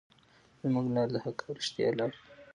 زموږ لار د حق او رښتیا لار ده.